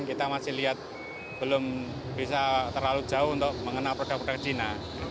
kita masih lihat belum bisa terlalu jauh untuk mengenal produk produk cina